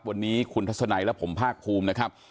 วันนี้คุณทัศนัยและผมภาคภูมินะครับ